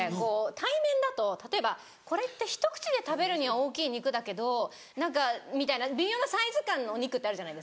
対面だと例えばこれってひと口で食べるには大きい肉だけど何かみたいな微妙なサイズ感のお肉ってあるじゃないですか。